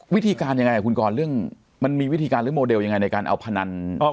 วิธีการยังไงคุณกรเรื่องมันมีวิธีการหรือโมเดลยังไงในการเอาพนัน